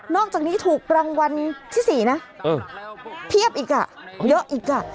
อกจากนี้ถูกรางวัลที่๔นะเพียบอีกอ่ะเยอะอีกอ่ะ